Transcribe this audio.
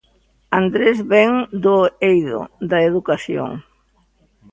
Andrés vén do eido da educación.